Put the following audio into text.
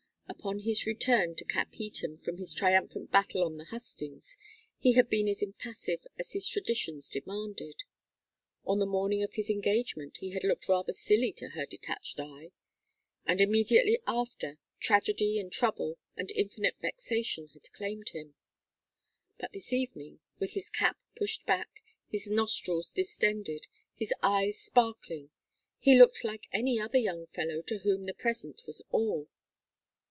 Upon his return to Capheaton from his triumphant battle on the hustings he had been as impassive as his traditions demanded. On the morning of his engagement he had looked rather silly to her detached eye; and immediately after, tragedy and trouble and infinite vexation had claimed him. But this evening, with his cap pushed back, his nostrils distended, his eyes sparkling, he looked like any other young fellow to whom the present was all.